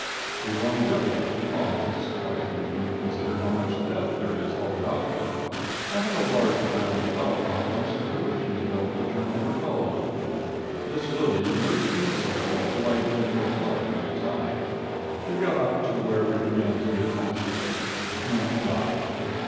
The longevity of the pot is surprising when we consider how much death there is all about it. I had a large brown flower pot once that originally held the germ of a calla lily. This lily emerged from the soil with the light of immortality in its eye. It got up to where we began to be attached to it, and then it died.